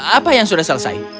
apa yang sudah selesai